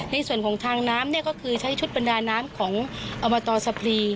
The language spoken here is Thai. ในส่วนของทางน้ำเนี่ยก็คือใช้ชุดบรรดาน้ำของอบตสะพรี